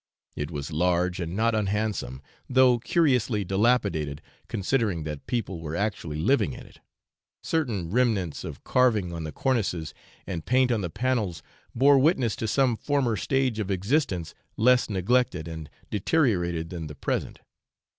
It was large and not unhandsome, though curiously dilapidated considering that people were actually living in it; certain remnants of carving on the cornices and paint on the panels bore witness to some former stage of existence less neglected and deteriorated than the present.